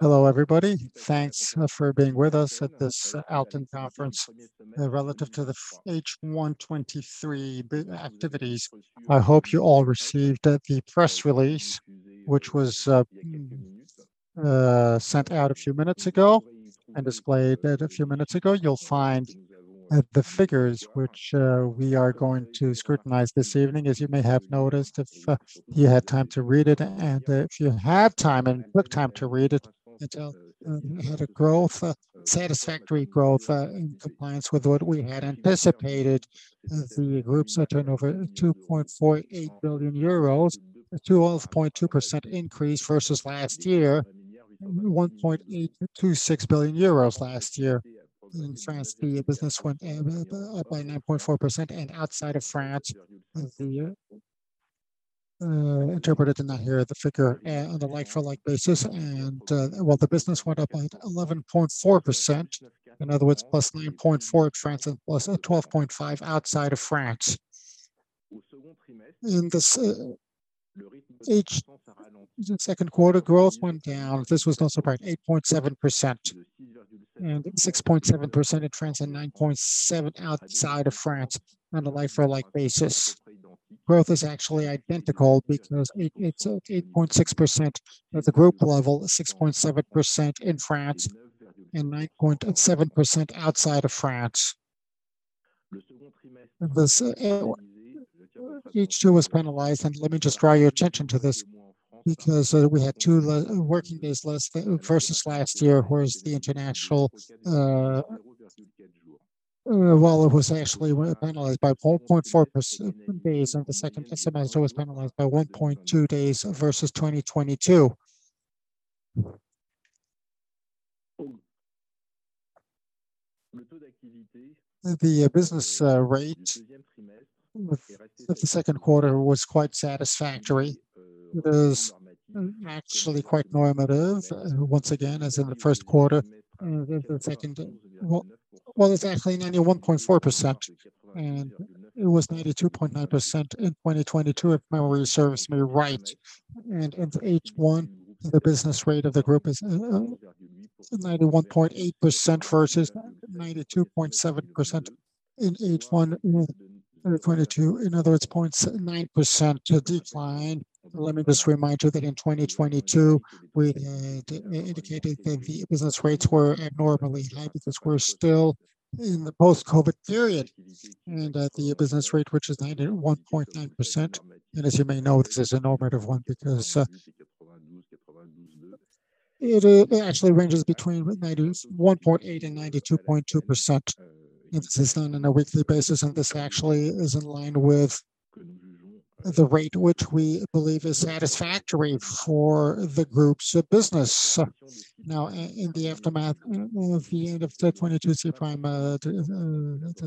Hello, everybody. Thanks for being with us at this ALTEN conference, relative to the H1 2023 activities. I hope you all received the press release, which was sent out a few minutes ago and displayed it a few minutes ago. You'll find the figures which we are going to scrutinize this evening. As you may have noticed, if you had time to read it, and if you have time and took time to read it, until we had a growth, satisfactory growth, in compliance with what we had anticipated. The groups are turnover 2.48 billion euros, a 12.2% increase versus last year, 1.826 billion euros last year. In France, the business went up by 9.4%, and outside of France, the Interpreter did not hear the figure. On the like-for-like basis, well, the business went up by 11.4%. In other words, +9.4% in France, +12.5% outside of France. In each second quarter, growth went down. This was no surprise, 8.7%, 6.7% in France, 9.7% outside of France on a like-for-like basis. Growth is actually identical because it's 8.6% at the group level, 6.7% in France, 9.7% outside of France. This H2 was penalized, let me just draw your attention to this because we had 2 working days less versus last year. The international well, it was actually penalized by 1.4% days, and the second semester was penalized by 1.2 days versus 2022. The business rate of the second quarter was quite satisfactory. It is actually quite normative. Once again, as in the first quarter Well, it's actually 91.4%, and it was 92.9% in 2022, if memory serves me right. In H1, the business rate of the group is 91.8% versus 92.7% in H1 in 2022. In other words, 0.9% decline. Let me just remind you that in 2022, we had indicated that the business rates were abnormally high because we're still in the post-COVID period, and that the business rate, which is 91.9%, and as you may know, this is a normative one because it actually ranges between 91.8% and 92.2% if this is done on a weekly basis, and this actually is in line with the rate which we believe is satisfactory for the group's business. Now, in the aftermath of the end of 2022 prime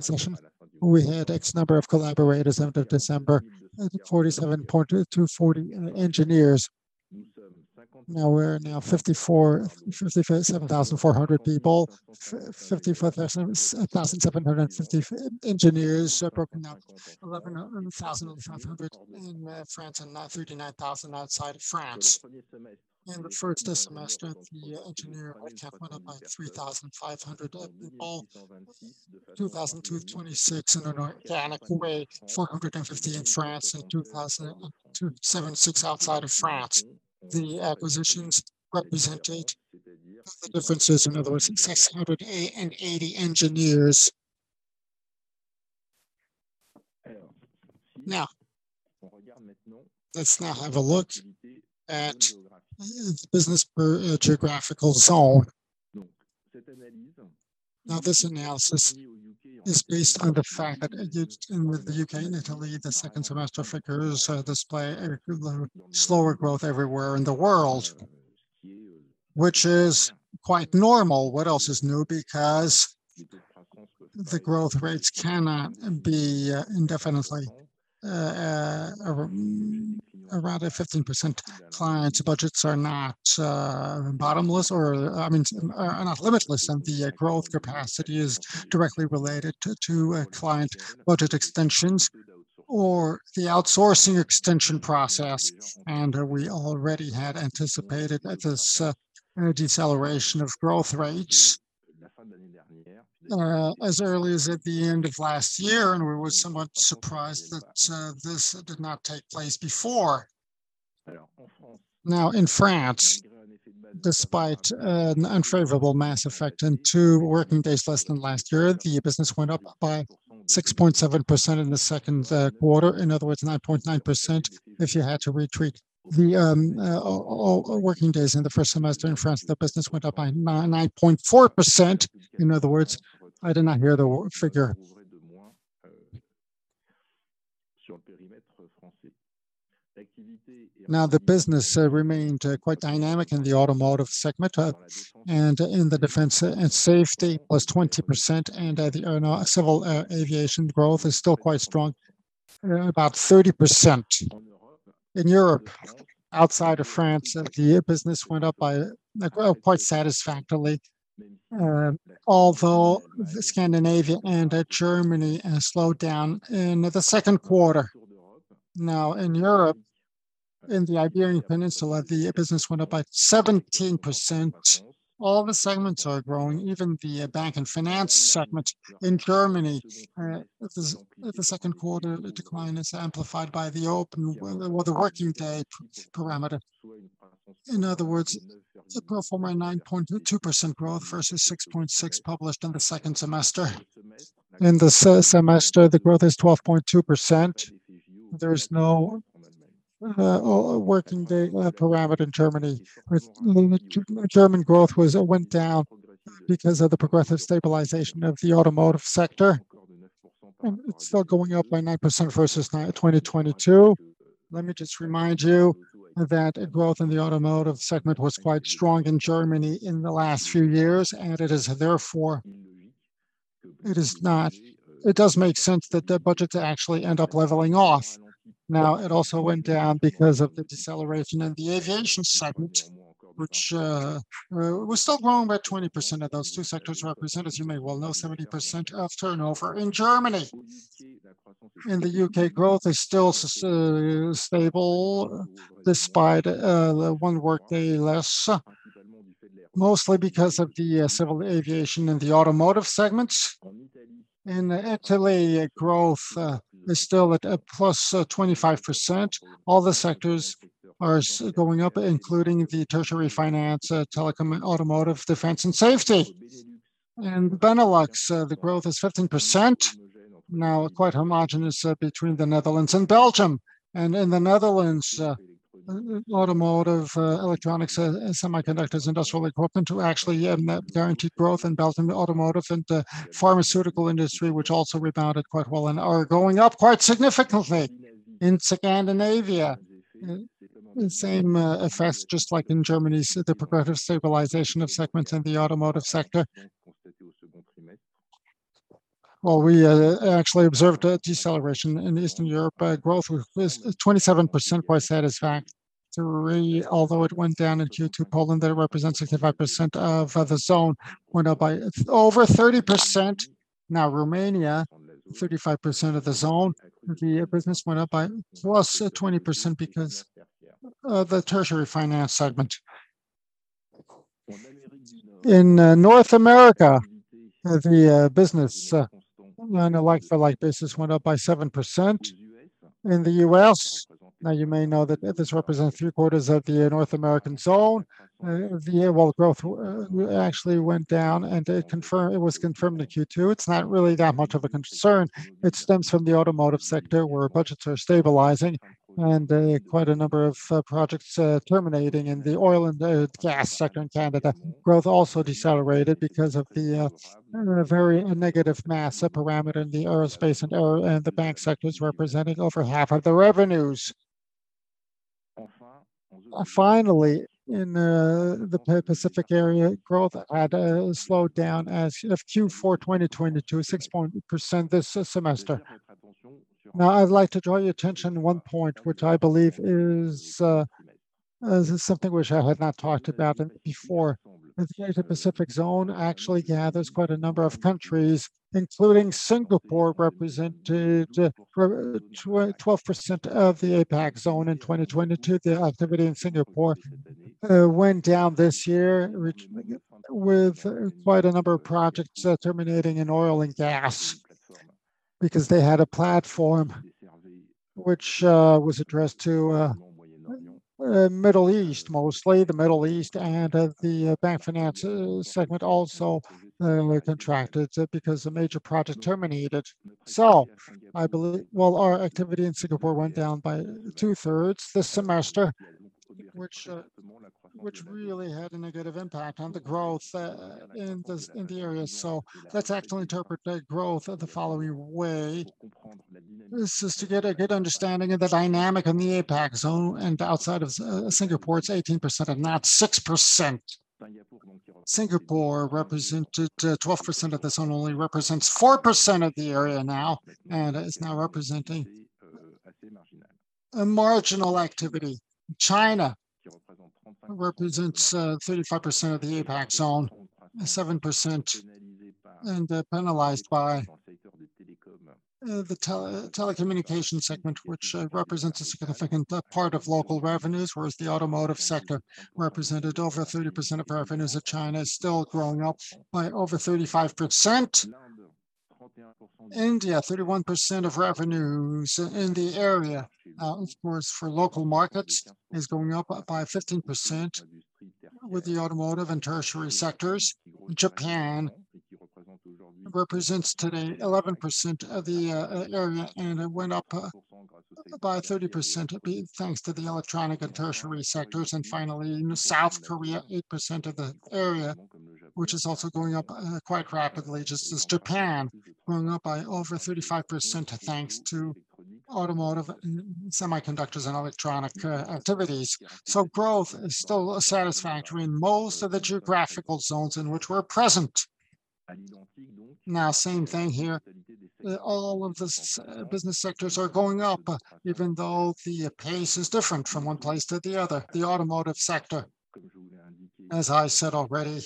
session, we had X number of collaborators end of December, 47,240 engineers. Now, we're now 57,400 people, 54,750 engineers, broken down, 11,500 in France, 39,000 outside of France. In the first semester, the engineer went up by 3,500, 2,226 in an organic way, 450 in France and 2,276 outside of France. The acquisitions represented the differences, in other words, 680 engineers. Let's now have a look at the business per geographical zone. This analysis is based on the fact that in with the UK and Italy, the second semester figures display slower growth everywhere in the world, which is quite normal. What else is new? The growth rates cannot be indefinitely. Around a 15% clients' budgets are not, I mean, are not limitless, and the growth capacity is directly related to a client budget extensions or the outsourcing extension process. We already had anticipated this deceleration of growth rates as early as at the end of last year, and we were somewhat surprised that this did not take place before. Now, in France, despite an unfavorable mass effect and 2 working days less than last year, the business went up by 6.7% in the second quarter. In other words, 9.9%, if you had to retreat. All working days in the first semester in France, the business went up by 9.4%. In other words, I did not hear the figure. ained quite dynamic in the automotive segment, and in the defense and safety was 20%, and the civil aviation growth is still quite strong, about 30%. In Europe, outside of France, the business went up quite satisfactorily, although Scandinavia and Germany slowed down in the second quarter. In Europe, in the Iberian Peninsula, the business went up by 17%. All the segments are growing, even the bank and finance segment. In Germany, the second quarter decline is amplified by the working day parameter. In other words, the pro forma 9.2% growth versus 6.6% published in the second semester. In the semester, the growth is 12.2%. There's no working day parameter in Germany. German growth was. It went down because of the progressive stabilization of the automotive sector, and it's still going up by 9% versus 2022. Let me just remind you that growth in the automotive segment was quite strong in Germany in the last few years, and it does make sense that their budgets actually end up leveling off. Now, it also went down because of the deceleration in the aviation segment, which was still growing by 20%, and those two sectors represent, as you may well know, 70% of turnover in Germany. In the UK, growth is still stable, despite the one work day less, mostly because of the civil aviation and the automotive segments. In Italy, growth is still at plus 25%. All the sectors are going up, including the tertiary finance, telecom, automotive, defense, and safety. In Benelux, the growth is 15%, now quite homogenous between the Netherlands and Belgium. In the Netherlands, automotive, electronics and semiconductors, industrial equipment who actually guaranteed growth in Belgium automotive and the pharmaceutical industry, which also rebounded quite well and are going up quite significantly. In Scandinavia, the same effects, just like in Germany, the progressive stabilization of segments in the automotive sector. We actually observed a deceleration in Eastern Europe. Growth was 27% was satisfied. Although it went down in Q2, Poland, that represents 65% of the zone, went up by over 30%. Romania, 35% of the zone, the business went up by plus 20% because of the tertiary finance segment. In North America, the business on a like-for-like basis, went up by 7%. In the US, now you may know that this represents three quarters of the North American zone. The overall growth actually went down. It was confirmed in Q2. It's not really that much of a concern. It stems from the automotive sector, where budgets are stabilizing and quite a number of projects terminating in the oil and gas sector in Canada. Growth also decelerated because of the very negative mass, a parameter in the aerospace and the bank sectors, representing over half of the revenues. Finally, in the Pacific area, growth had slowed down as of Q4 2022, 6% this semester. Now, I'd like to draw your attention to 1 point, which I believe is something which I had not talked about before. The Asia-Pacific zone actually gathers quite a number of countries, including Singapore, represented 12% of the APAC zone in 2022. The activity in Singapore went down this year, which with quite a number of projects terminating in oil and gas, because they had a platform which was addressed to Middle East, mostly the Middle East and the bank finance segment also contracted because a major project terminated. I believe... Well, our activity in Singapore went down by two-thirds this semester, which really had a negative impact on the growth in the area. Let's actually interpret the growth the following way. This is to get a good understanding of the dynamic in the APAC zone and outside of Singapore, it's 18% and not 6%. Singapore represented 12% of the zone, only represents 4% of the area now, and is now representing a marginal activity. China represents 35% of the APAC zone, and 7%, penalized by the telecommunication segment, which represents a significant part of local revenues, whereas the automotive sector represented over 30% of revenues, that China is still growing up by over 35%. India, 31% of revenues in the area, of course, for local markets, is going up by 15% with the automotive and tertiary sectors. Japan represents today 11% of the area, and it went up by 30% thanks to the electronic and tertiary sectors. Finally, in South Korea, 8% of the area, which is also going up quite rapidly, just as Japan, going up by over 35% thanks to automotive and semiconductors and electronic activities. Growth is still satisfactory in most of the geographical zones in which we're present. Now, same thing here. All of the business sectors are going up, even though the pace is different from one place to the other. The automotive sector, as I said already,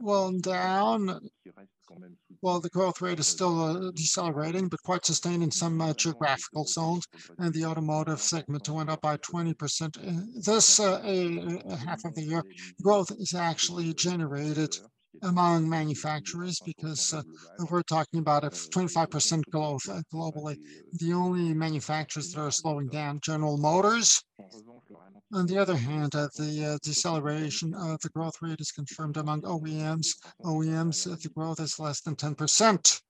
Well, down. Well, the growth rate is still decelerating, but quite sustaining some geographical zones and the automotive segment went up by 20%. This half of the year, growth is actually generated among manufacturers because we're talking about a 25% growth globally. The only manufacturers that are slowing down, General Motors. On the other hand, the deceleration, the growth rate is confirmed among OEMs. OEMs, the growth is less than 10%.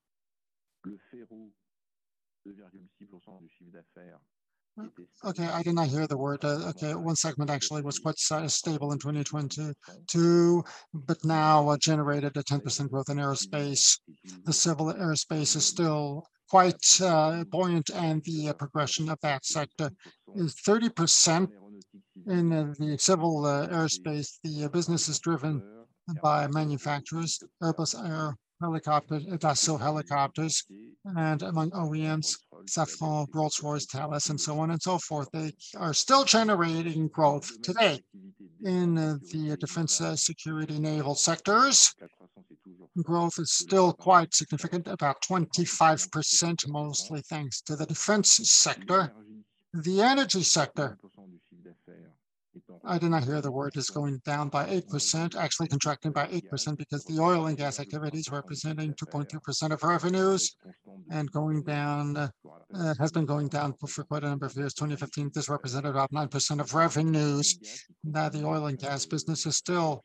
Okay, I did not hear the word. Okay, one segment actually was quite stable in 2022, but now generated a 10% growth in aerospace. The civil aerospace is still quite buoyant, the progression of that sector is 30%. In the civil aerospace, the business is driven by manufacturers: Airbus, Airbus Helicopters, and among OEMs, Safran, Rolls-Royce, Thales, and so on and so forth. They are still generating growth today. In the defense, security, naval sectors, growth is still quite significant, about 25%, mostly thanks to the defense sector. The energy sector, I did not hear the word, is going down by 8%, actually contracting by 8% because the oil and gas activity is representing 2.2% of revenues, and going down. It has been going down for quite a number of years. 2015, this represented about 9% of revenues. The oil and gas business is still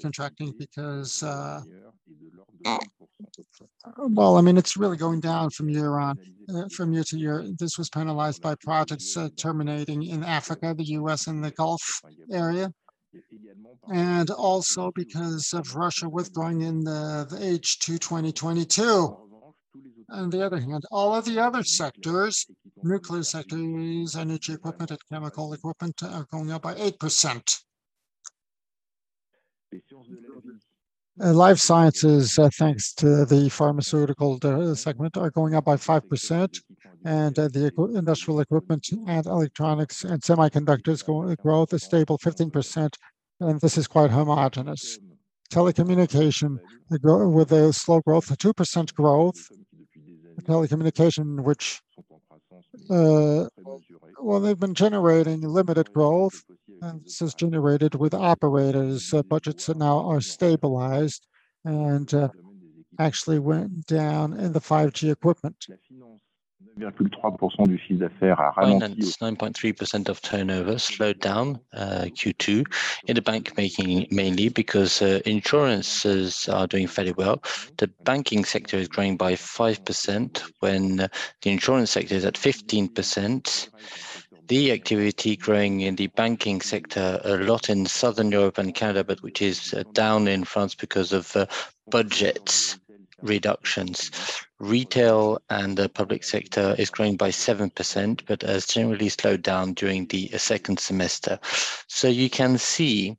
contracting because, well, I mean, it's really going down from year on from year to year. This was penalized by projects terminating in Africa, the US, and the Gulf area, also because of Russia withdrawing in the H2 2022. All of the other sectors, nuclear sectors, energy equipment, and chemical equipment, are going up by 8%. Life sciences, thanks to the pharmaceutical segment, are going up by 5%. Industrial equipment and electronics and semiconductors growth is stable, 15%, and this is quite homogenous. Telecommunication, with a slow growth, a 2% growth. Telecommunication, which, well, they've been generating limited growth, this is generated with operators. Budgets are now stabilized, actually went down in the 5G equipment. 9.3% of turnover slowed down, Q2 in the banking mainly because insurance are doing fairly well. The banking sector is growing by 5% when the insurance sector is at 15%. The activity growing in the banking sector, a lot in Southern Europe and Canada, which is down in France because of budgets reductions. Retail and the public sector is growing by 7%, has generally slowed down during the second semester. You can see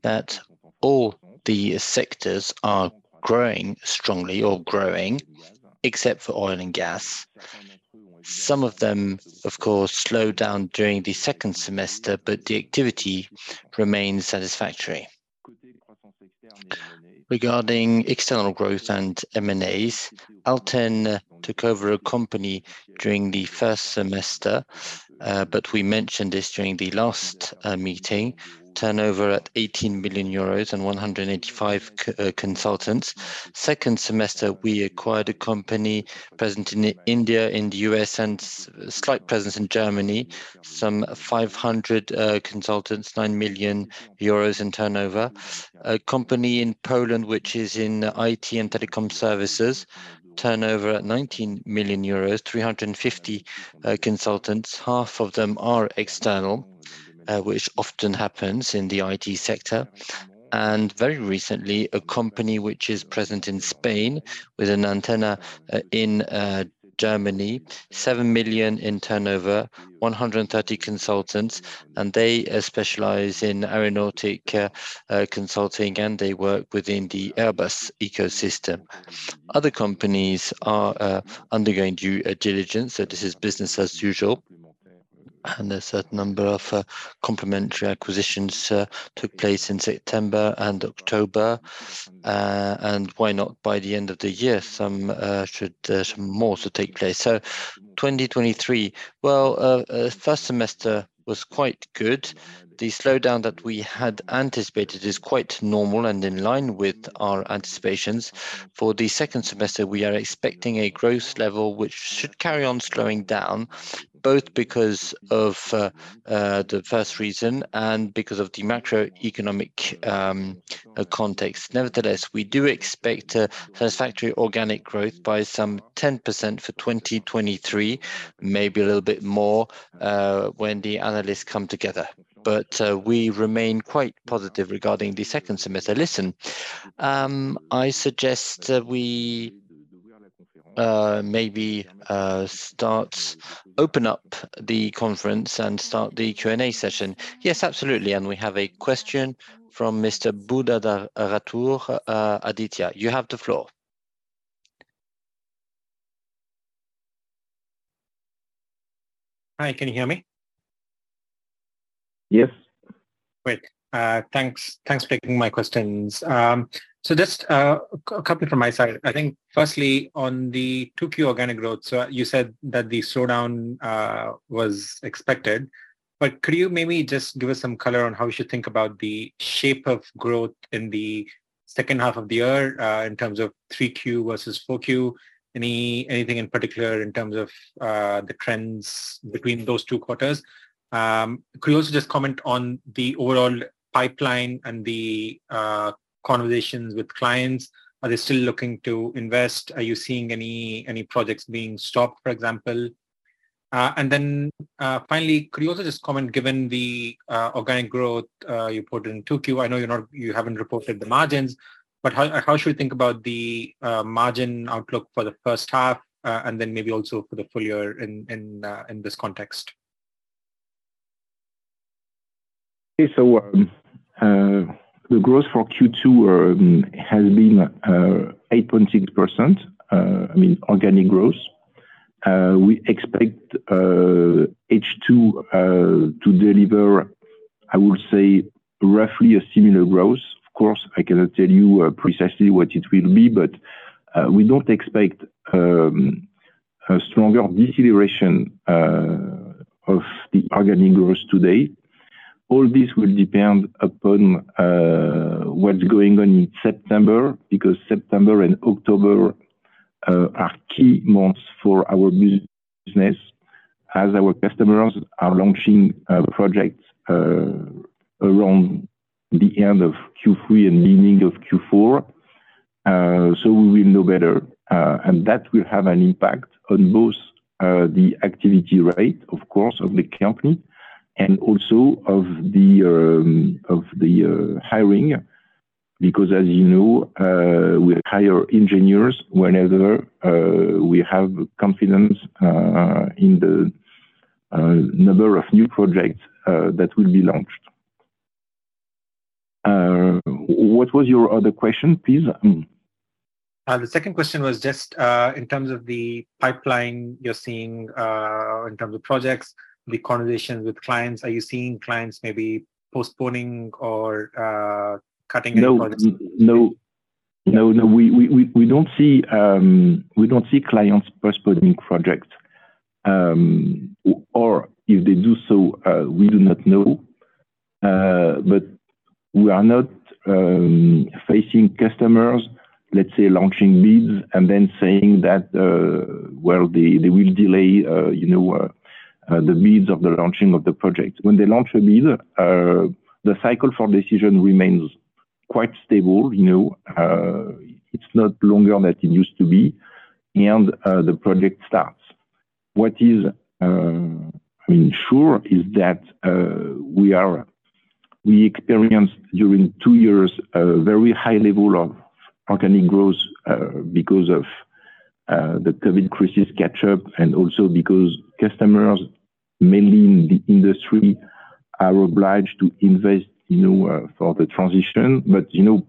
that all the sectors are growing strongly or growing, except for oil and gas. Some of them, of course, slowed down during the second semester, the activity remains satisfactory. Regarding external growth and M&As, Alten took over a company during the first semester, but we mentioned this during the last meeting: turnover at 18 billion euros and 185 consultants. Second semester, we acquired a company present in India, in the US, and slight presence in Germany. Some 500 consultants, 9 million euros in turnover. A company in Poland, which is in IT and telecom services, turnover at 19 million euros, 350 consultants. Half of them are external, which often happens in the IT sector. Very recently, a company which is present in Spain with an antenna in Germany, 7 million in turnover, 130 consultants, and they specialize in aeronautic consulting, and they work within the Airbus ecosystem. Other companies are undergoing due diligence. This is business as usual. A certain number of complimentary acquisitions took place in September and October. Why not, by the end of the year, some should some more to take place. 2023, well, first semester was quite good. The slowdown that we had anticipated is quite normal and in line with our anticipations. For the second semester, we are expecting a growth level which should carry on slowing down, both because of the first reason and because of the macroeconomic context. Nevertheless, we do expect a satisfactory organic growth by some 10% for 2023, maybe a little bit more when the analysts come together. We remain quite positive regarding the second semester. Listen, I suggest that we maybe open up the conference and start the Q&A session. Yes, absolutely. We have a question from Mr. Aditya Buddhavarapu. You have the floor. Hi, can you hear me? Great. Thanks for taking my questions. Just a couple from my side. I think firstly on the 2 organic growth. You said that the slowdown was expected, but could you maybe just give us some color on how we should think about the shape of growth in the second half of the year in terms of 3 Q versus 4 Q? Anything in particular in terms of the trends between those 2 quarters? Could you also just comment on the overall pipeline and the conversations with clients? Are they still looking to invest? Are you seeing any projects being stopped, for example? Finally, could you also just comment, given the organic growth you put in 2 Q? I know you haven't reported the margins, but how should we think about the margin outlook for the first half, and then maybe also for the full year in this context? Okay. The growth for Q2 has been 8.6%, I mean, organic growth. We expect H2 to deliver, I would say, roughly a similar growth. Of course, I cannot tell you precisely what it will be, we don't expect a stronger deceleration of the organic growth today. All this will depend upon what's going on in September, September and October are key months for our business, as our customers are launching projects around the end of Q3 and beginning of Q4. We will know better, and that will have an impact on both the activity rate, of course, of the company, and also of the hiring. As you know, we hire engineers whenever we have confidence in the number of new projects that will be launched. What was your other question, please? The second question was just in terms of the pipeline you're seeing in terms of projects, the conversations with clients. Are you seeing clients maybe postponing or cutting any projects? No, no, no, we don't see clients postponing projects. If they do so, we do not know. We are not facing customers, let's say, launching bids and then saying that, well, they, they will delay, you know, the bids of the launching of the project. When they launch a bid, the cycle for decision remains quite stable, you know, it's not longer than it used to be, and the project starts. What is, I mean, sure is that we experienced during two years, a very high level of organic growth, because of the COVID crisis catch up, and also because customers, mainly in the industry, are obliged to invest, you know, for the transition. You know,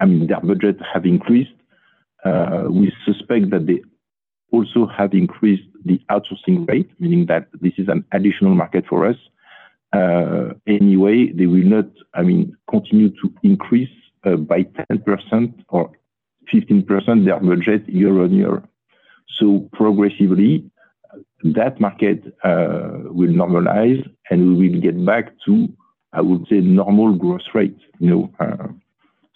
I mean, their budgets have increased. We suspect that they also have increased the outsourcing rate, meaning that this is an additional market for us. Anyway, they will not, I mean, continue to increase by 10% or 15% their budget year on year. Progressively, that market will normalize, and we will get back to, I would say, normal growth rate, you know.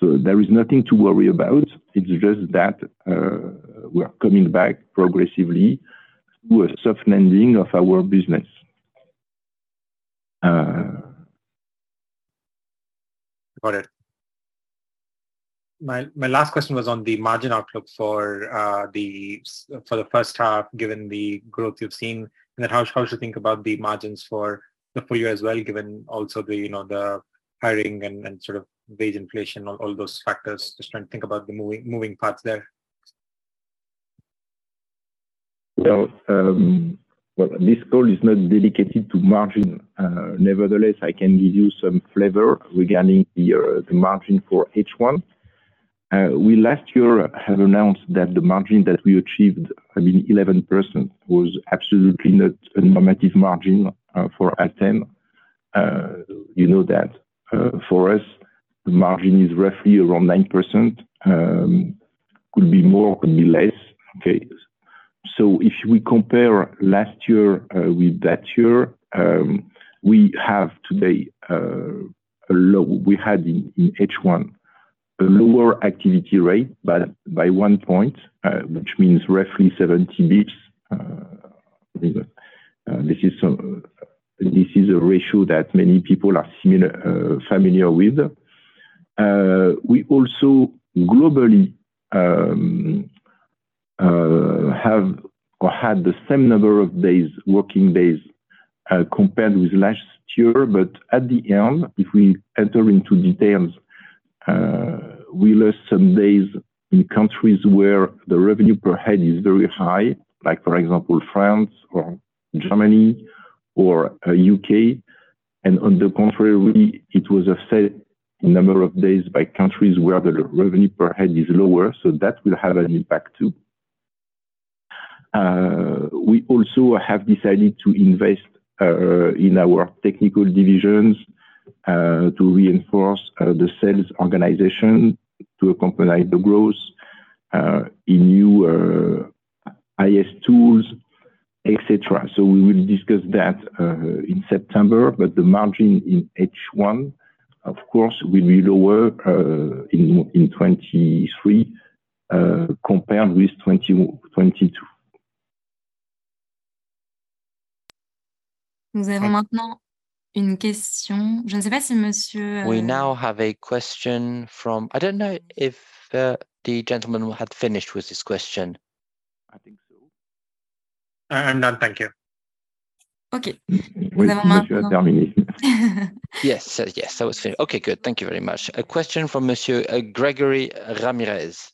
There is nothing to worry about. It's just that we are coming back progressively to a soft landing of our business. Got it. My last question was on the margin outlook for the first half, given the growth you've seen, and then how should we think about the margins for the full year as well, given also the, you know, the hiring and sort of wage inflation, all those factors? Just trying to think about the moving parts there. Well, this call is not dedicated to margin. Nevertheless, I can give you some flavor regarding the margin for H1. We last year have announced that the margin that we achieved, I mean, 11%, was absolutely not a normative margin for ALTEN. You know that for us, the margin is roughly around 9%. Could be more, could be less. Okay? If we compare last year with that year, we have today we had in H1, a lower activity rate by 1 point, which means roughly 70 bits. This is a ratio that many people are familiar with. We also globally have or had the same number of days, working days, compared with last year. At the end, if we enter into details, we lost some days in countries where the revenue per head is very high, like for example, France or Germany or UK. On the contrary, it was a number of days by countries where the revenue per head is lower, that will have an impact, too. We also have decided to invest in our technical divisions to reinforce the sales organization to accompany the growth in new IS tools, et cetera. We will discuss that in September, the margin in H1, of course, will be lower in 2023 compared with 2022. We now have a question. I don't know if the gentleman had finished with his question? I'm done. Thank you. Okay. Yes, that was finished. Okay, good. Thank you very much. A question from Monsieur Gregory Ramirez.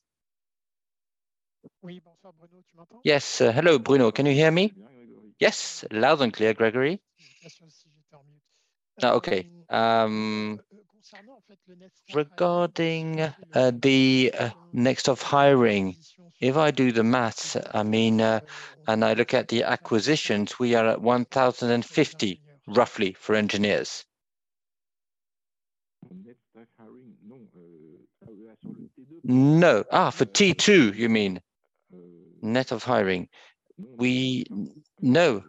Yes. Hello, Bruno. Can you hear me? Yes, loud and clear, Gregory. Okay. Regarding the net of hiring, if I do the maths, I mean, I look at the acquisitions, we are at 1,050 roughly for engineers. No. For T2, you mean? Net of hiring. No.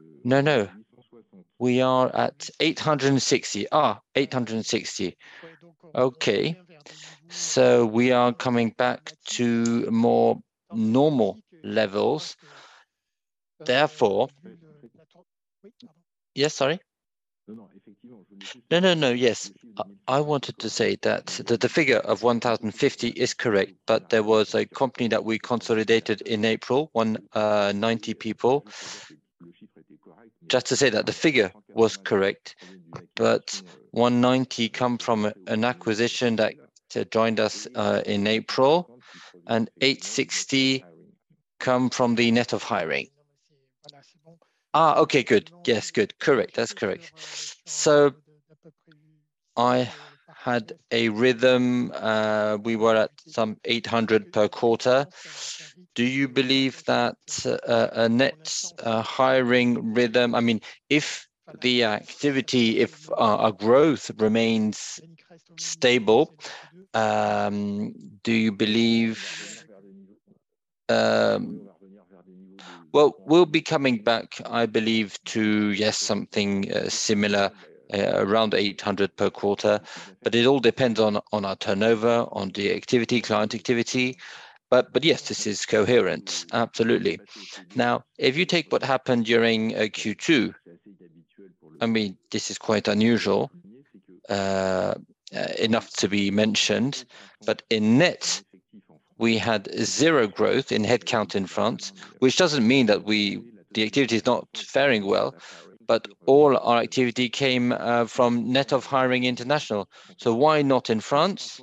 We are at 860. 860. Okay. We are coming back to more normal levels. Therefore... Yes, sorry. No. Yes. I wanted to say that the figure of 1,050 is correct, but there was a company that we consolidated in April, 190 people. Just to say that the figure was correct. 190 come from an acquisition that joined us in April, and 860 come from the net of hiring. Okay, good. Yes, good. Correct. That's correct. I had a rhythm. We were at some 800 per quarter. Do you believe that a net hiring rhythm, I mean, if the activity, if our growth remains stable? Well, we'll be coming back, I believe, to something similar around 800 per quarter, but it all depends on our turnover, on the activity, client activity. Yes, this is coherent. Absolutely. If you take what happened during Q2, I mean, this is quite unusual enough to be mentioned, but in net, we had 0 growth in headcount in France, which doesn't mean that the activity is not faring well, but all our activity came from net of hiring international. Why not in France?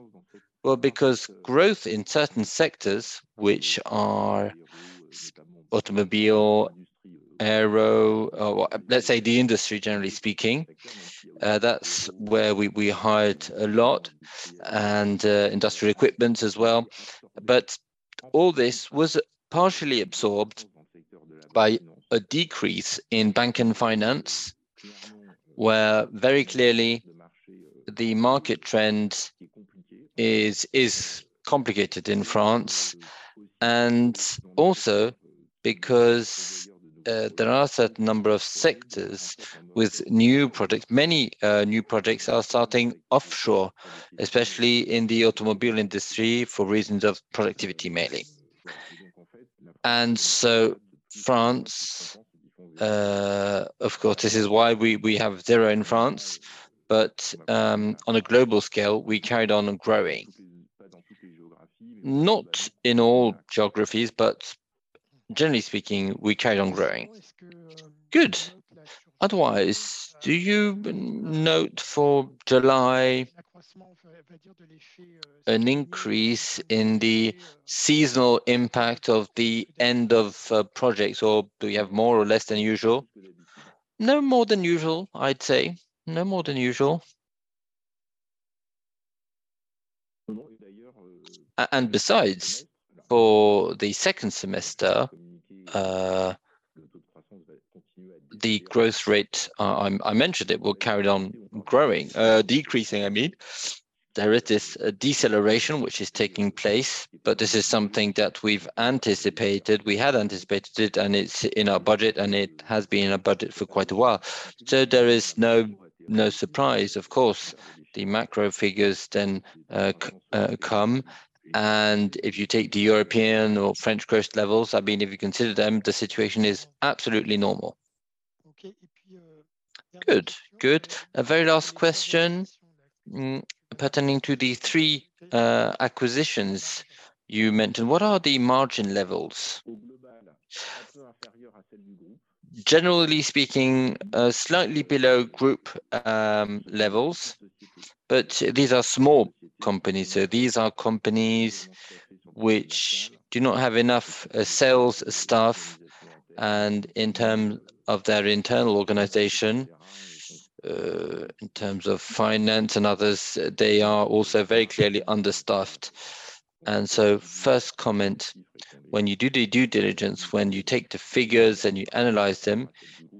Well, because growth in certain sectors, which are automobile, aero, or let's say the industry, generally speaking, that's where we hired a lot, and industrial equipments as well. All this was partially absorbed by a decrease in bank and finance, where very clearly the market trend is complicated in France, and also because there are a certain number of sectors with new projects. Many new projects are starting offshore, especially in the automobile industry, for reasons of productivity mainly. France, of course, this is why we have 0 in France, but on a global scale, we carried on growing. Not in all geographies, but generally speaking, we carried on growing. Good. Otherwise, do you note for July an increase in the seasonal impact of the end of projects, or do you have more or less than usual? No more than usual, I'd say. No more than usual. Besides, for the second semester, the growth rate, I mentioned it, will carry on growing, decreasing, I mean. There is this deceleration which is taking place, but this is something that we've anticipated. We had anticipated it, and it's in our budget, and it has been in our budget for quite a while. There is no surprise. Of course, the macro figures then come, and if you take the European or French growth levels, I mean, if you consider them, the situation is absolutely normal. Good a very last question, pertaining to the three acquisitions you mentioned. What are the margin levels? Generally speaking, slightly below group levels, but these are small companies. These are companies which do not have enough sales staff. In term of their internal organization, in terms of finance and others, they are also very clearly understaffed. First comment, when you do the due diligence, when you take the figures and you analyze them,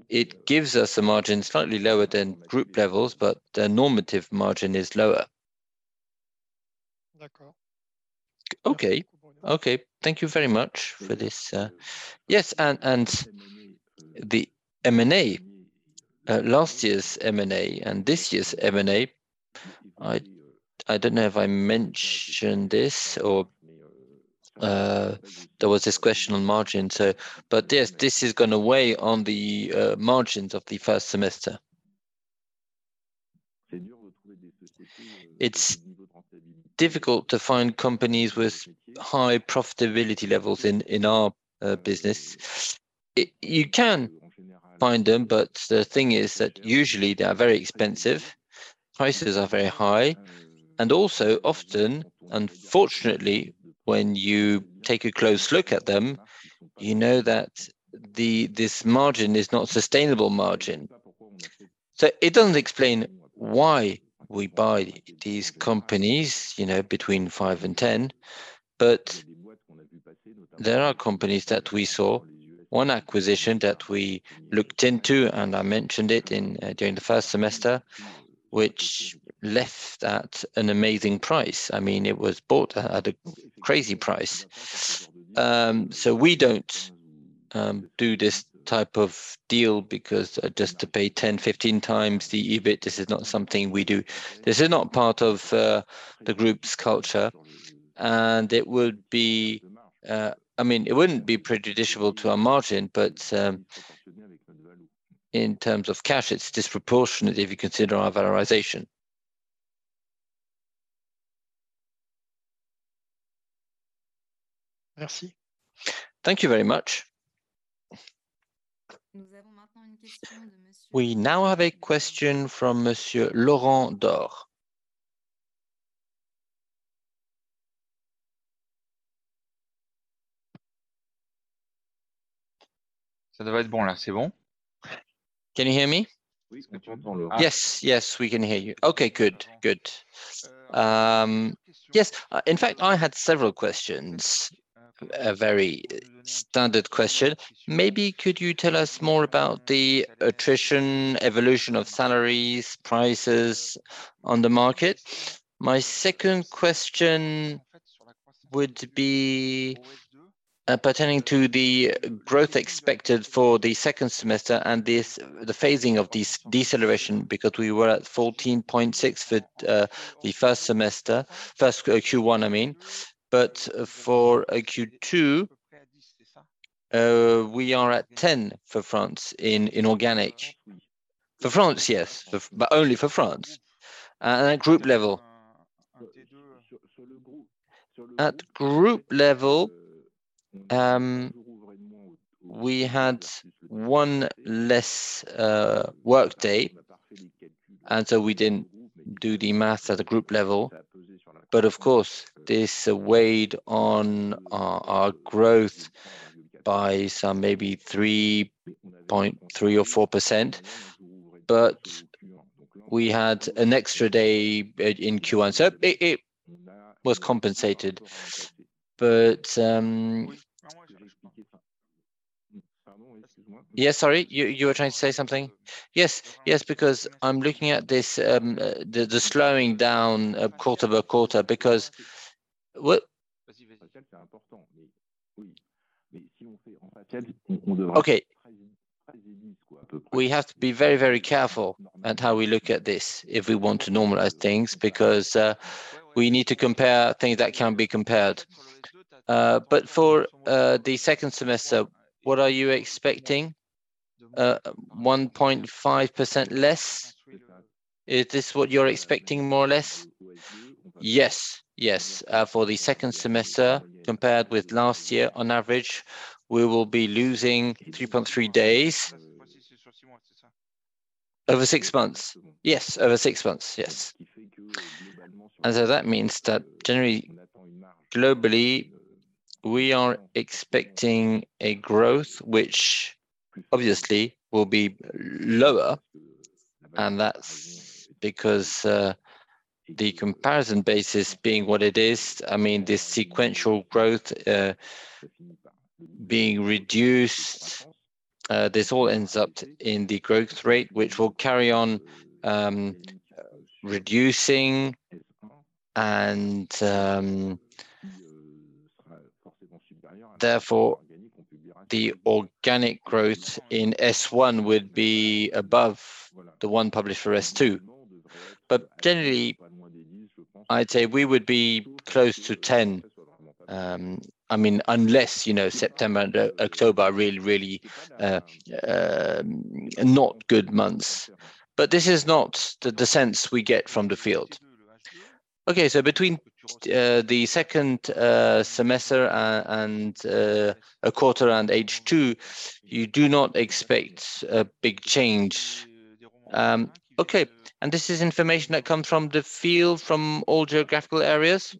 it gives us a margin slightly lower than group levels, but the normative margin is lower. Okay. Okay. Thank you very much for this. Yes, the M&A last year's M&A and this year's M&A, I don't know if I mentioned this or there was this question on margin, yes, this is going to weigh on the margins of the first semester. It's difficult to find companies with high profitability levels in our business. You can find them, the thing is that usually they are very expensive, prices are very high, and also often, unfortunately, when you take a close look at them, you know that this margin is not sustainable margin. It doesn't explain why we buy these companies, you know, between five and ten, there are companies that we saw, one acquisition that we looked into, and I mentioned it during the first semester, which left at an amazing price. I mean, it was bought at a crazy price. We don't do this type of deal because just to pay 10, 15 times the EBIT, this is not something we do. This is not part of the group's culture. I mean, it wouldn't be prejudicial to our margin, but in terms of cash, it's disproportionate if you consider our valorization. Merci. Thank you very much. We now have a question from Monsieur Laurent Daure. Can you hear me? Yes. Yes, we can hear you okay, good. Yes, in fact, I had several questions, a very standard question. Maybe could you tell us more about the attrition, evolution of salaries, prices on the market? My second question would be pertaining to the growth expected for the second semester and this, the phasing of this deceleration, because we were at 14.6 for the first semester, first Q1, I mean. For Q2, we are at 10 for France in organic. For France, yes, but only for France. At group level? At group level, we had 1 less workday, and so we didn't do the math at a group level. Of course, this weighed on our growth by some maybe 3.3 or 4%. We had an extra day in Q1, so it was compensated. Yes, sorry, you were trying to say something? Yes, yes, because I'm looking at this, the slowing down of quarter-over-quarter. Okay, we have to be very, very careful at how we look at this if we want to normalize things, because we need to compare things that can be compared. For the second semester, what are you expecting? 1.5% less? Is this what you're expecting, more or less? Yes. Yes, for the second semester, compared with last year, on average, we will be losing 3.3 days. Over six months? Yes, over six months, yes. That means that generally, globally, we are expecting a growth, which obviously will be lower, and that's because the comparison basis being what it is, I mean, this sequential growth being reduced, this all ends up in the growth rate, which will carry on reducing and therefore, the organic growth in S1 would be above the one published for S2. Generally, I'd say we would be close to ten, I mean, unless, you know, September and October are really, really not good months. This is not the, the sense we get from the field. Okay. Between the second semester and a quarter and H2, you do not expect a big change?... Okay, and this is information that comes from the field, from all geographical areas?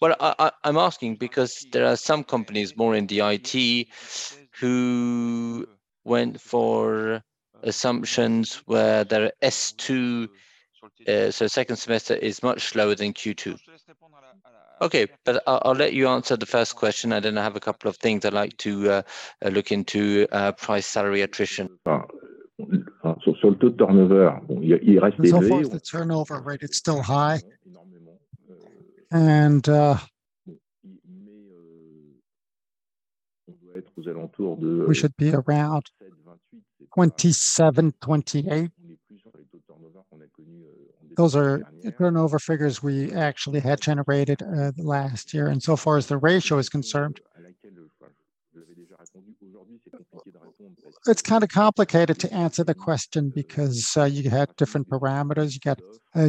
Well, I'm asking because there are some companies, more in the IT, who went for assumptions where their S2, so second semester is much lower than Q2. Okay, I'll let you answer the first question, and then I have a couple of things I'd like to look into price salary attrition. So the turnover rate is still high, and we should be around 27, 28. Those are the turnover figures we actually had generated last year. So far as the ratio is concerned, it's kind of complicated to answer the question because you had different parameters. You got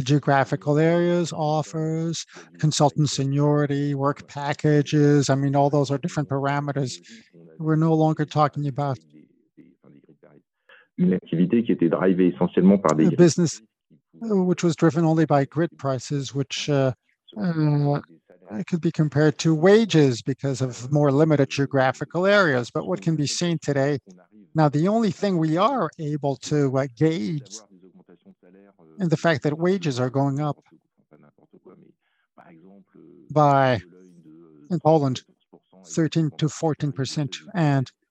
geographical areas, offers, consultant seniority, work packages. I mean, all those are different parameters. We're no longer talking about a business which was driven only by grid prices, which could be compared to wages because of more limited geographical areas. What can be seen today. The only thing we are able to, like, gauge, is the fact that wages are going up by, in Poland, 13% to 14%, and where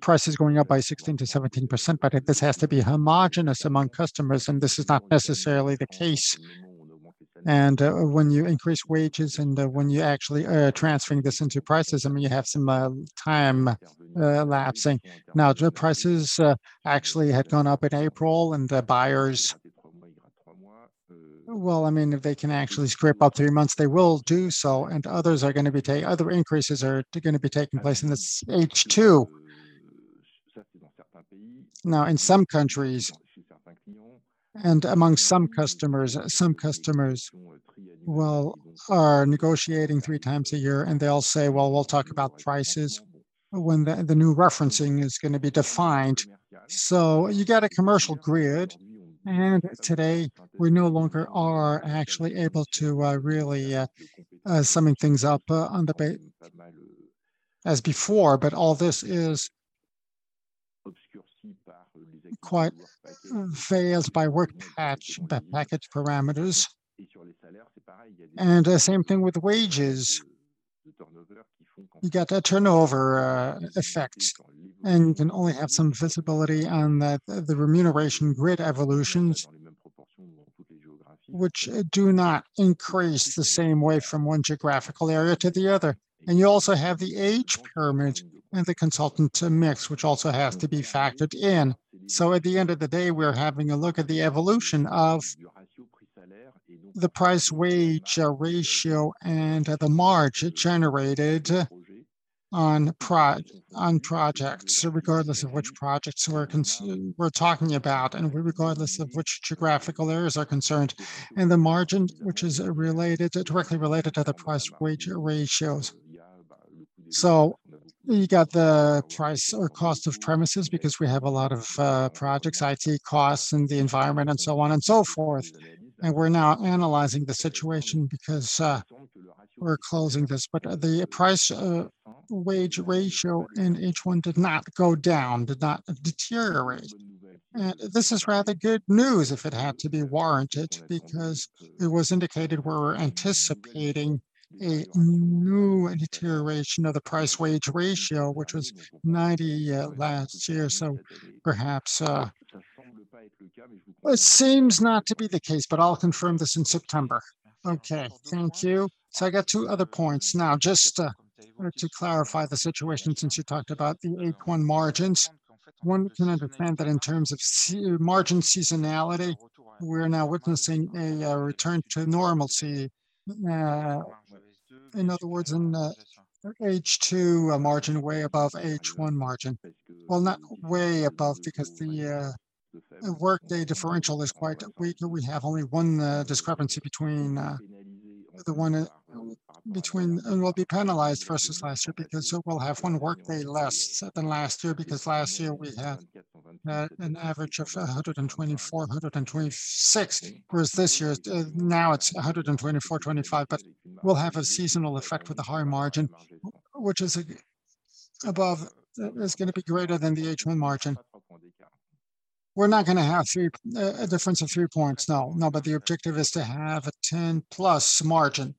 price is going up by 16% to 17%. This has to be homogenous among customers, and this is not necessarily the case. When you increase wages and when you're actually transferring this into prices, I mean, you have some time lapsing. The prices actually had gone up in April, and the buyers. I mean, if they can actually scrape up 3 months, they will do so. Others are going to be taking place in this H2. In some countries and among some customers, some customers, well, are negotiating 3 times a year. They'll say, "Well, we'll talk about prices when the new referencing is going to be defined." You get a commercial grid. Today, we no longer are actually able to really summing things up as before. All this is quite veils by work package, by package parameters. The same thing with wages. You get a turnover effect. You can only have some visibility on the remuneration grid evolutions, which do not increase the same way from one geographical area to the other. You also have the age pyramid and the consultant to mix, which also has to be factored in. At the end of the day, we're having a look at the evolution of the price wage ratio, and the margin generated on projects, regardless of which projects we're talking about, and regardless of which geographical areas are concerned. The margin, which is related, directly related to the price wage ratios. You got the price or cost of premises because we have a lot of projects, IT costs and the environment, and so on and so forth. We're now analyzing the situation because we're closing this. The price wage ratio in H1 did not go down, did not deteriorate. This is rather good news if it had to be warranted, because it was indicated we're anticipating a new deterioration of the price wage ratio, which was 90 last year. Perhaps, it seems not to be the case, but I'll confirm this in September. Okay, thank you. I got two other points. Just, to clarify the situation, since you talked about the H1 margins, one can understand that in terms of margin seasonality, we're now witnessing a return to normalcy. In other words, in H2, a margin way above H1 margin. Not way above, because the workday differential is quite weak, and we have only one discrepancy between, and we'll be penalized versus last year because we'll have one workday less than last year. Last year we had an average of 124, 126, whereas this year, now it's 124, 25. We'll have a seasonal effect with a higher margin, which is above, it's going to be greater than the H1 margin. We're not going to have 3, a difference of 3 points. No. The objective is to have a 10-plus margin.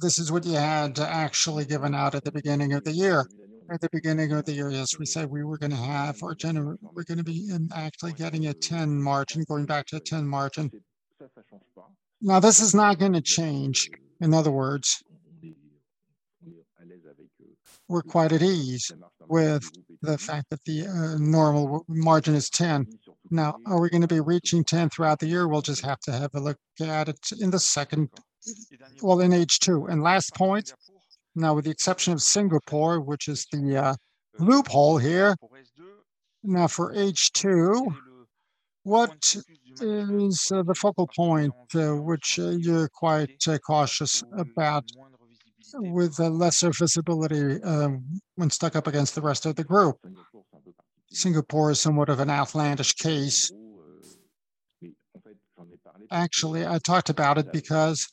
This is what you had actually given out at the beginning of the year. At the beginning of the year, yes, we said we were going to have our, we're going to be in actually getting a 10 margin, going back to 10 margin. This is not going to change. In other words, we're quite at ease with the fact that the normal margin is 10. Are we going to be reaching 10 throughout the year? We'll just have to have a look at it in the second. In H2. Last point, now, with the exception of Singapore, which is the loophole here, now for H2. What is the focal point which you're quite cautious about with a lesser visibility when stuck up against the rest of the group? Singapore is somewhat of an outlandish case. Actually, I talked about it because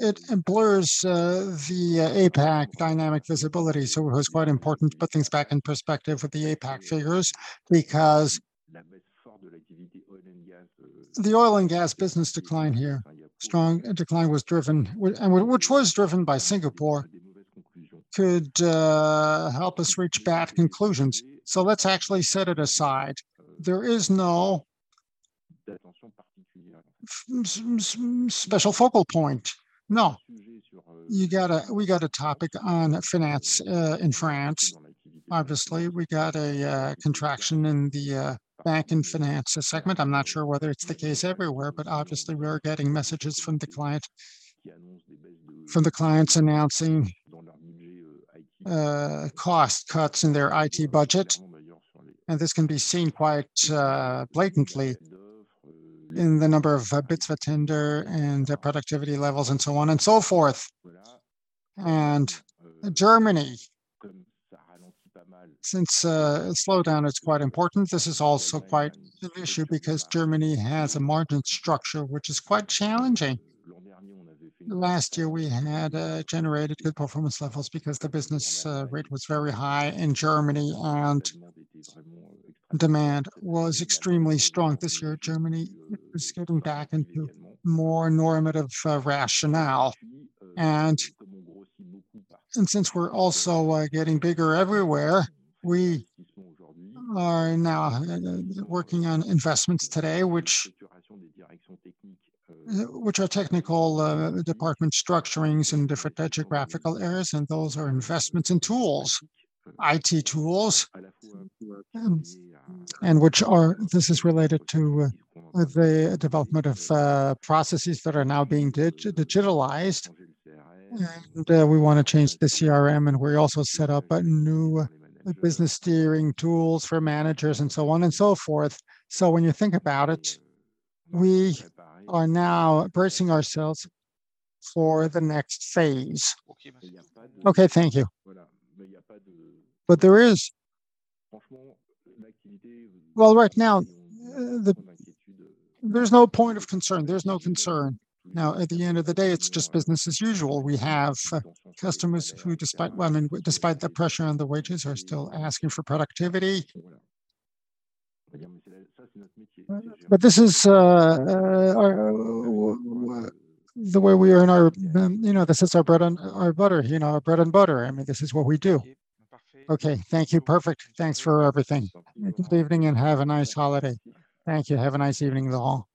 it blurs the APAC dynamic visibility, so it was quite important to put things back in perspective with the APAC figures. The oil and gas business decline here, strong decline was driven and which was driven by Singapore, could help us reach bad conclusions. Let's actually set it aside. There is no special focal point. No. We got a topic on finance in France. Obviously, we got a contraction in the bank and finance segment. I'm not sure whether it's the case everywhere, but obviously we're getting messages from the clients announcing cost cuts in their IT budget, this can be seen quite blatantly in the number of bits for tender and the productivity levels, and so on and so forth. Germany, since a slowdown is quite important, this is also quite an issue because Germany has a margin structure which is quite challenging. Last year, we had generated good performance levels because the business rate was very high in Germany, and demand was extremely strong. This year, Germany is getting back into more normative rationale. Since we're also getting bigger everywhere, we are now working on investments today, which are technical department structurings in different geographical areas, and those are investments in tools, IT tools. This is related to the development of processes that are now being digitalized. We want to change the CRM, and we also set up a new business steering tools for managers and so on and so forth. When you think about it, we are now bracing ourselves for the next phase. Okay, thank you. Well, right now, there's no point of concern. There's no concern. At the end of the day, it's just business as usual. We have customers who, despite... Well, I mean, despite the pressure on the wages, are still asking for productivity. This is our, the way we earn our... you know, this is our bread and our butter, you know, our bread and butter. I mean, this is what we do. Okay. Thank you. Perfect. Thanks for everything. Good evening, and have a nice holiday. Thank you. Have a nice evening to you all.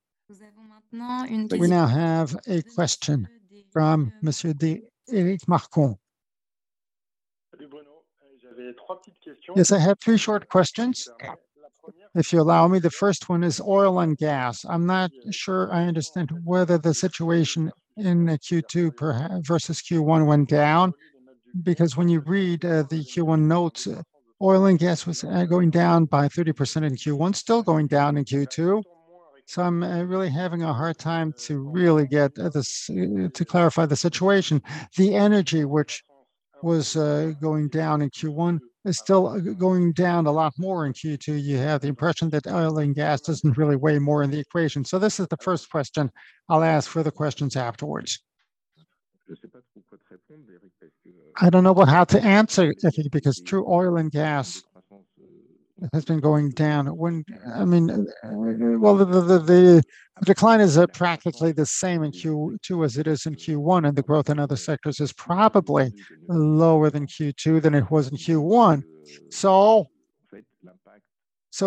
We now have a question from Monsieur Eric Marcon. Hello, Bruno. Yes, I have two short questions, if you allow me. The first one is Oil and gas. I'm not sure I understand whether the situation in Q2 versus Q1 went down. When you read the Q1 notes, Oil and gas was going down by 30% in Q1, still going down in Q2. I'm really having a hard time to really get to clarify the situation. The energy which was going down in Q1 is still going down a lot more in Q2. You have the impression that oil and gas doesn't really weigh more in the equation. This is the first question. I'll ask further questions afterwards. I don't know well how to answer, Eric, because true oil and gas has been going down. I mean, well, the decline is at practically the same in Q2 as it is in Q1, and the growth in other sectors is probably lower than Q2 than it was in Q1.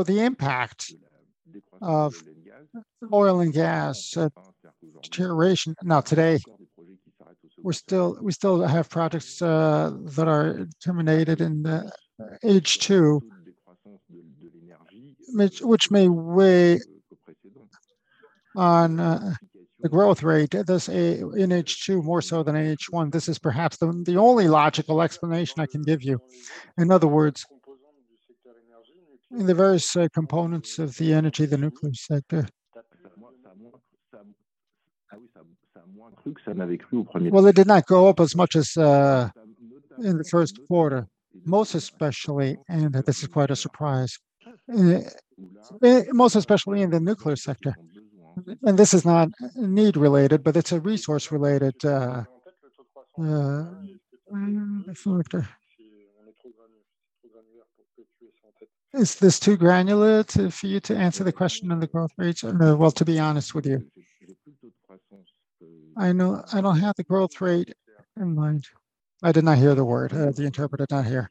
The impact of oil and gas deterioration. Today, we still have products that are terminated in the H2, which may weigh on the growth rate. In H2, more so than in H1. This is perhaps the only logical explanation I can give you. In other words, in the various components of the energy, the nuclear sector. Well, it did not go up as much as in the first quarter. Most especially, and this is quite a surprise, most especially in the nuclear sector, and this is not need related, but it's a resource related factor. Is this too granular to, for you to answer the question on the growth rate? Well, to be honest with you, I don't have the growth rate in mind. I did not hear the word, the interpreter not here.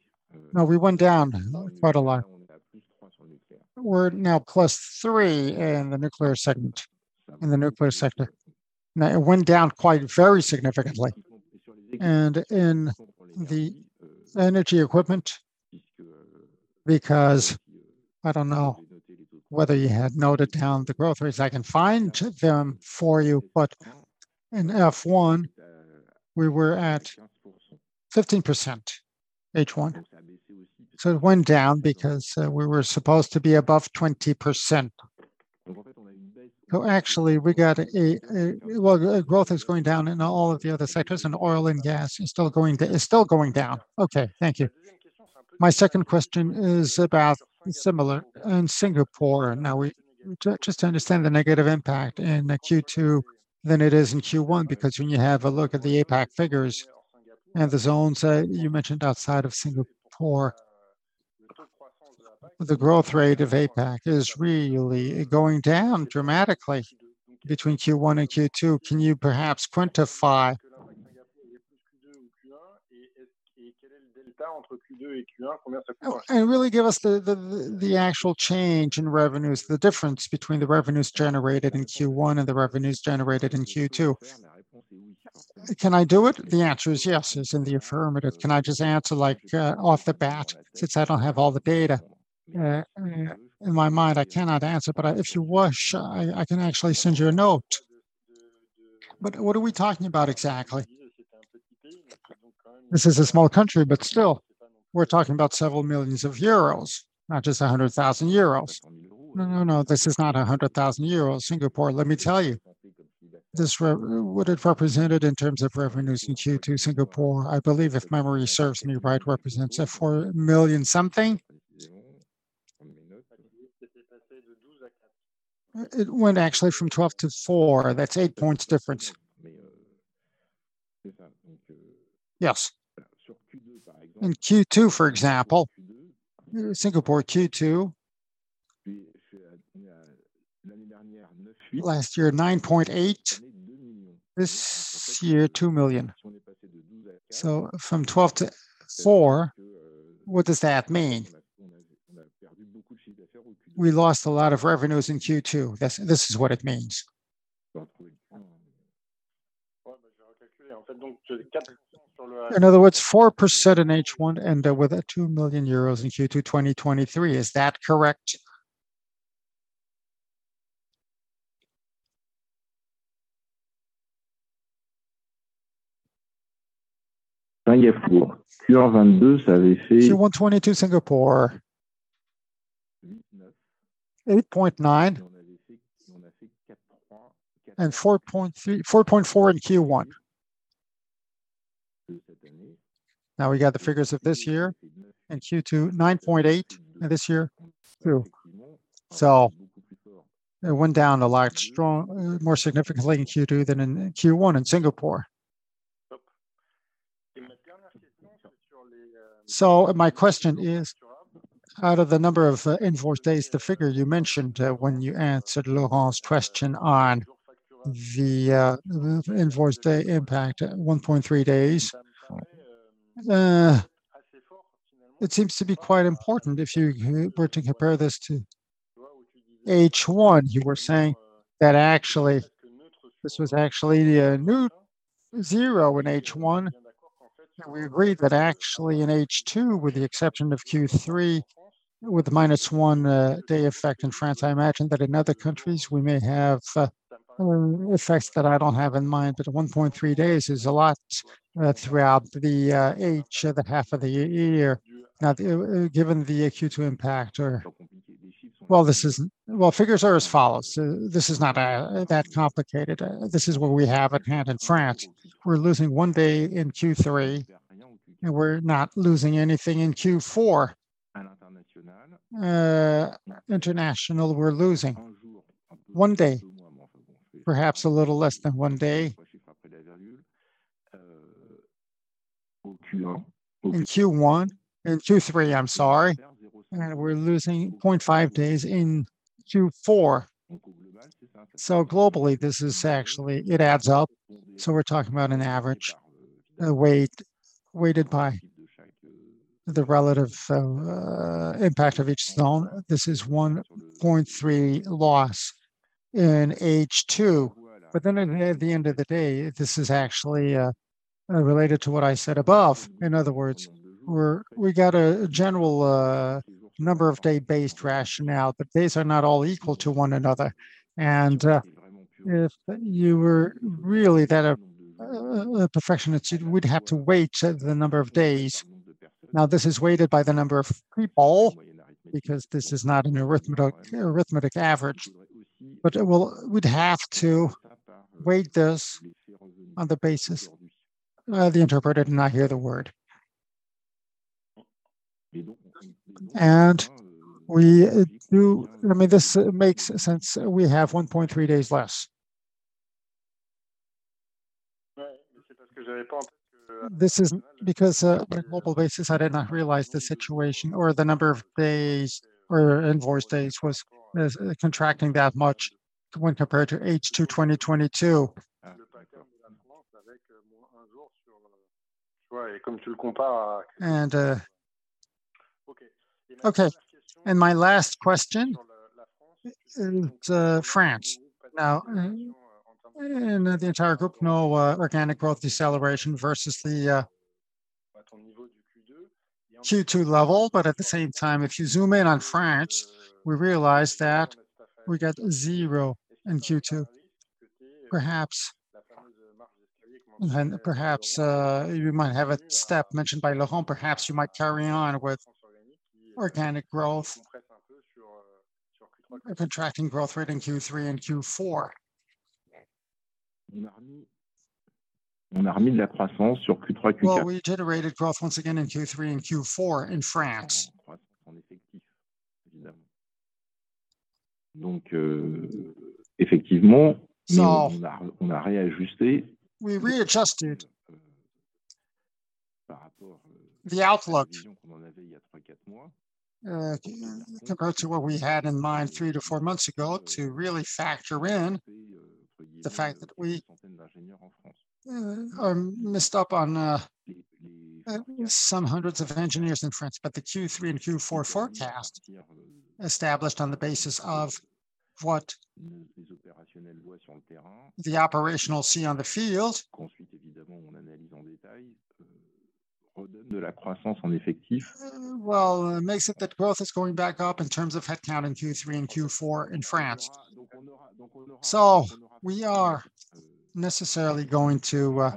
No, we went down quite a lot. We're now +3 in the nuclear segment, in the nuclear sector. Now, it went down quite very significantly. In the energy equipment, because I don't know whether you had noted down the growth rates. I can find them for you, but in H1, we were at... 15%, H1. It went down because we were supposed to be above 20%. Actually, we got a... Well, growth is going down in all of the other sectors, and oil and gas is still going down. Okay, thank you. My second question is about similar in Singapore. Just to understand the negative impact in the Q2 than it is in Q1, because when you have a look at the APAC figures and the zones that you mentioned outside of Singapore, the growth rate of APAC is really going down dramatically between Q1 and Q2. Can you perhaps quantify? Really give us the actual change in revenues, the difference between the revenues generated in Q1 and the revenues generated in Q2. Can I do it? The answer is yes, it's in the affirmative. Can I just answer, like, off the bat, since I don't have all the data in my mind, I cannot answer, but if you wish, I can actually send you a note. What are we talking about exactly? This is a small country, but still, we're talking about several million euros, not just 100,000 euros. No, this is not 100,000 euros. Singapore, let me tell you, this what it represented in terms of revenues in Q2, Singapore, I believe, if memory serves me right, represents 4 million something. It went actually from 12 to 4. That's 8 points difference. Yes. In Q2, for example, Singapore, Q2, last year, 9.8, this year, 2 million. From 12 to 4, what does that mean? We lost a lot of revenues in Q2. This is what it means. In other words, 4% in H1, and with a EUR 2 million in Q2, 2023. Is that correct? In Q1 2022, Singapore... 8.9, and 4.4 in Q1. We got the figures of this year in Q2, 9.8, and this year, 2. It went down a lot strong, more significantly in Q2 than in Q1 in Singapore. My question is, out of the number of invoice days, the figure you mentioned when you answered Laurent's question on the invoice day impact, 1.3 days, it seems to be quite important if you were to compare this to H1. You were saying that actually, this was actually a new zero in H1, and we agreed that actually in H2, with the exception of Q3, with the -1 day effect in France, I imagine that in other countries, we may have effects that I don't have in mind, but 1.3 days is a lot throughout the half of the year. Given the Q2 impact or... Well, figures are as follows. This is not that complicated. This is what we have at hand in France. We're losing one day in Q3, we're not losing anything in Q4. International, we're losing one day, perhaps a little less than one day. In Q3, I'm sorry, we're losing 0.5 days in Q4. Globally, this is actually. It adds up, so we're talking about an average, a weight weighted by the relative impact of each zone. This is 1.3 loss in H2, at the end of the day, this is actually related to what I said above. In other words, we got a general number of day-based rationale, but days are not all equal to one another. If you were really that a perfectionist, you would have to weight the number of days. This is weighted by the number of people, because this is not an arithmetic average, but we'd have to weight this on the basis. I mean, this makes sense. We have 1.3 days less. This is because on a global basis, I did not realize the situation or the number of days or invoice days is contracting that much when compared to H2 2022. Okay. My last question in France. In the entire group, no organic growth deceleration versus the Q2 level, but at the same time, if you zoom in on France, we realize that we got zero in Q2. Perhaps, and perhaps, you might have a step mentioned by Laurent. Perhaps you might carry on with organic growth, a contracting growth rate in Q3 and Q4. On army la croissance sur Q3, Q4. Well, we generated growth once again in Q3 and Q4 in France. Donc. No on a readjusté. We readjusted the outlook, compared to what we had in mind three to four months ago, to really factor in the fact that we are missed up on some hundreds of engineers in France. The Q3 and Q4 forecast established on the basis of what the operational see on the field. Consuite évidemment on analyse en détail. De la croissance en effectif. Well, it makes it that growth is going back up in terms of headcount in Q3 and Q4 in France. We are necessarily going to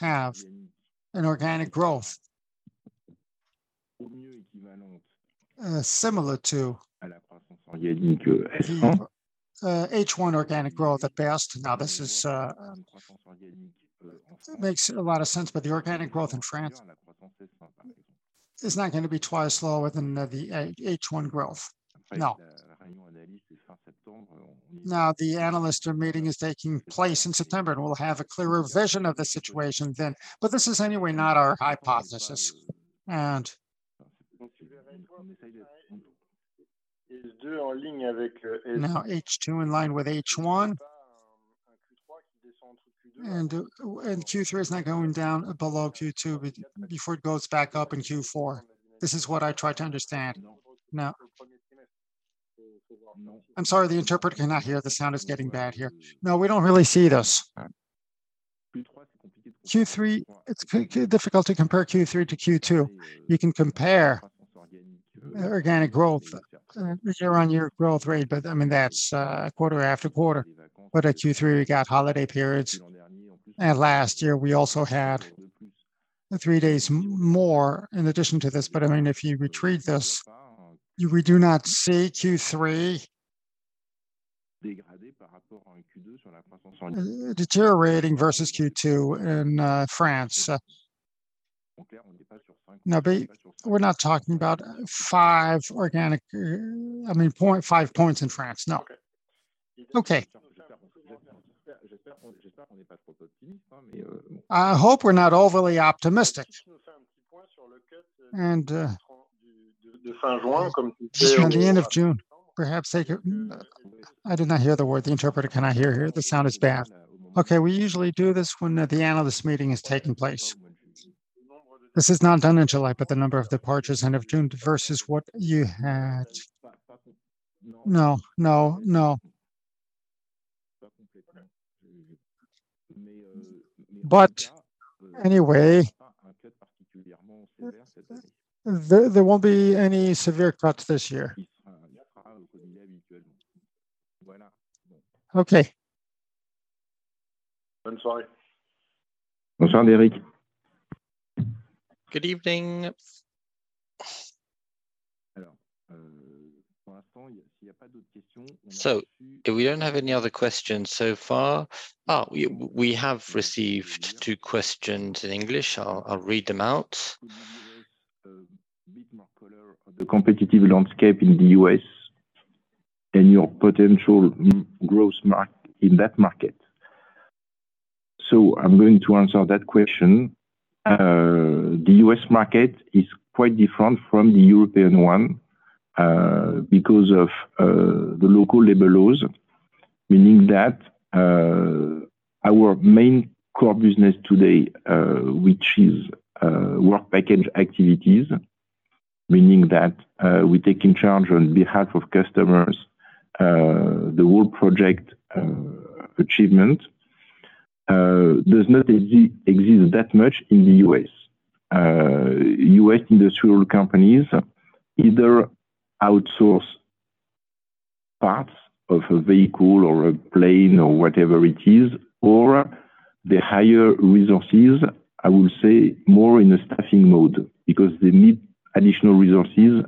have an organic growth similar to. À la croissance organique. H1 organic growth at best. Now, this is makes a lot of sense, but the organic growth in France is not going to be twice lower than the H1 growth. No. September. The analyst meeting is taking place in September, and we'll have a clearer vision of the situation then. This is anyway, not our hypothesis. deux en ligne. H2 in line with H1, Q3 is not going down below Q2 before it goes back up in Q4. This is what I tried to understand. I'm sorry, the interpreter cannot hear. The sound is getting bad here. We don't really see this. Q3, it's difficult to compare Q3 to Q2. You can compare organic growth year-on-year growth rate, I mean, that's quarter after quarter. At Q3, we got holiday periods, and last year, we also had three days more in addition to this. I mean, if you retrieve this, we do not see Q3... Degrade par rapport en Q2 sur. Deteriorating versus Q2 in France. On n'est pas sur- Now, we're not talking about 5 organic, I mean, 0.5 points in France. No. Okay. J'espère on n'est pas trop optimiste, mais. I hope we're not overly optimistic. De fin juin. On the end of June, perhaps they could... I did not hear the word. The interpreter cannot hear here. The sound is bad. Okay, we usually do this when the analyst meeting is taking place. This is not done in July, the number of departures end of June versus what you had. No, no, no. Particulièrement sévère. There won't be any severe cuts this year. Voilà. Okay. Bonsoir. Bonsoir, Eric. Good evening. pour l'instant, s'il n'y a pas d'autres questions. If we don't have any other questions so far. Oh, we have received 2 questions in English. I'll read them out. Bit more color on the competitive landscape in the US and your potential growth mark in that market. I'm going to answer that question. The US market is quite different from the European one, because of the local labor laws. Meaning that our main core business today, which is work package activities, meaning that we're taking charge on behalf of customers, the whole project achievement, does not exist that much in the US. US industrial companies either outsource parts of a vehicle or a plane or whatever it is, or the higher resources, I would say, more in a staffing mode, because they need additional resources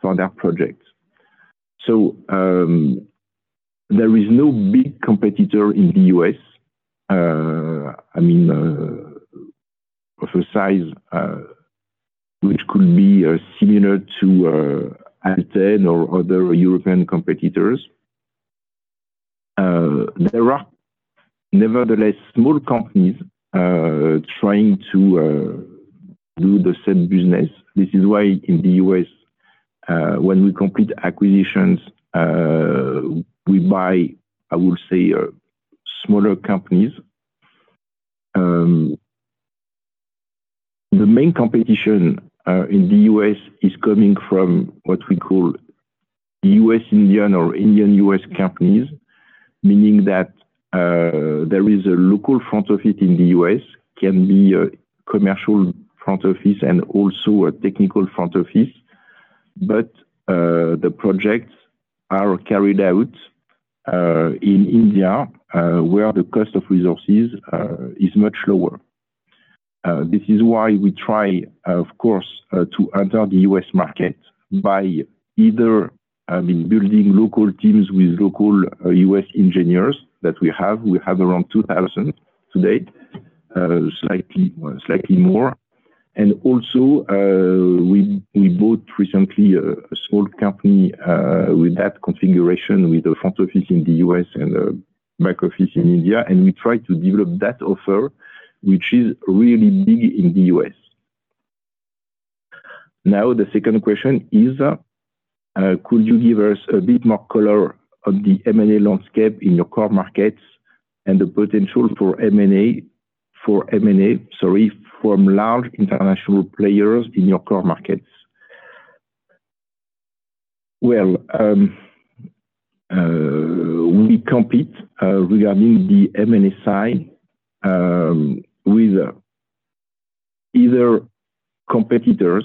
for their projects. There is no big competitor in the U.S., I mean, of a size which could be similar to ALTEN or other European competitors. There are, nevertheless, small companies trying to do the same business. This is why in the U.S., when we complete acquisitions, we buy, I would say, smaller companies. The main competition in the U.S. is coming from what we call the US Indian or Indian US companies. Meaning that there is a local front office in the U.S., can be a commercial front office and also a technical front office. The projects are carried out in India, where the cost of resources is much lower. This is why we try, of course, to enter the US market by either, I mean, building local teams with local US engineers that we have. We have around 2,000 to date, slightly more. Also, we bought recently a small company with that configuration, with a front office in the US and a back office in India. We try to develop that offer, which is really big in the US. Now, the second question is, could you give us a bit more color on the M&A landscape in your core markets and the potential for M&A from large international players in your core markets? Well, we compete regarding the M&A side, with either competitors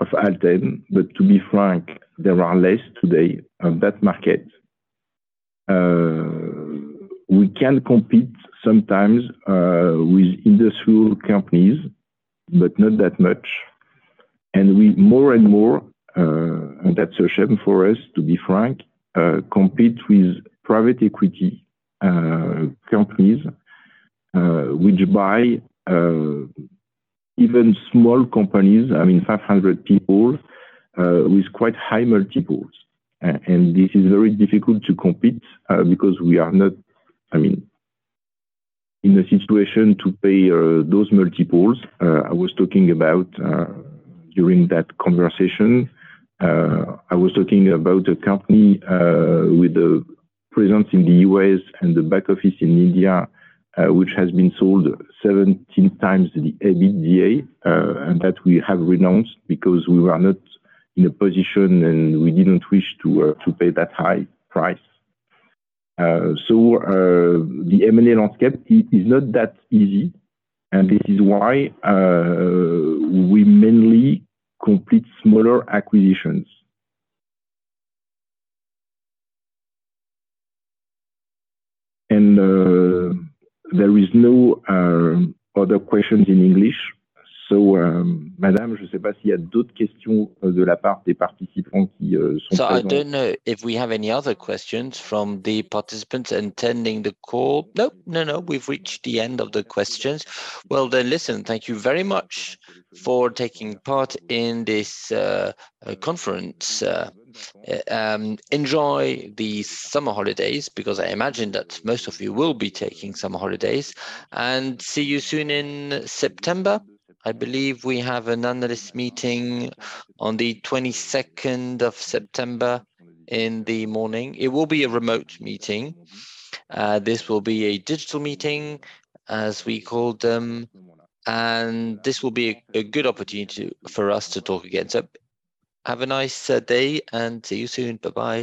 of ALTEN, but to be frank, there are less today on that market. We can compete sometimes with industrial companies, but not that much. We more and more, and that's a shame for us, to be frank, compete with private equity companies, which buy even small companies, I mean, 500 people, with quite high multiples. This is very difficult to compete, because we are not, I mean, in a situation to pay those multiples. During that conversation, I was talking about a company with a presence in the US and the back office in India, which has been sold 17 times the EBITDA, and that we have renounced because we were not in a position, and we didn't wish to pay that high price. The M&A landscape is not that easy and this is why, we mainly complete smaller acquisitions. There is no other questions in English. Madame Je, pas d'autre question de la parte participant. I don't know if we have any other questions from the participants attending the call. Nope. No, we've reached the end of the questions. Listen, thank you very much for taking part in this conference. Enjoy the summer holidays, because I imagine that most of you will be taking summer holidays and see you soon in September. I believe we have an analyst meeting on the 22nd of September in the morning. It will be a remote meeting. This will be a digital meeting, as we called them and this will be a good opportunity for us to talk again. Have a nice day and see you soon. Bye-bye.